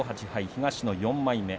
東の４枚目。